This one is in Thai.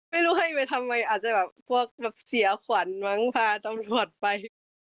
ไม่รู้ว่าทำไมอาจจะมาพวกเสียขวัญมั้งพาตำรวจไป